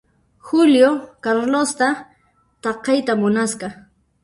Julio Carlosta takayta munasqa.